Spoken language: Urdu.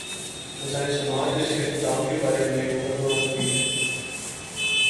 انسانی سماج اور اس کے اختتام کے بارے میں ایک مقدمہ مذہبی ہے۔